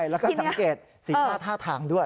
แล้วก็สังเกตสีหน้าท่าทางด้วย